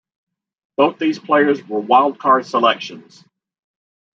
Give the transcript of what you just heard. Both these players were wild-card selections.